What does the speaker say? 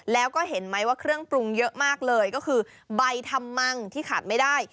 แล้วก็เห็นไหมว่าเครื่องปรุงเยอะมากเลยก็คือใบทำมังที่ขาดไม่ได้